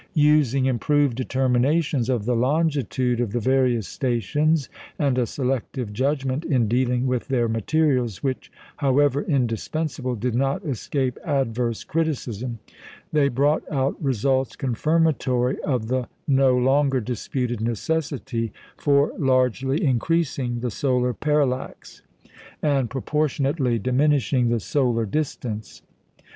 Using improved determinations of the longitude of the various stations, and a selective judgment in dealing with their materials, which, however indispensable, did not escape adverse criticism, they brought out results confirmatory of the no longer disputed necessity for largely increasing the solar parallax, and proportionately diminishing the solar distance.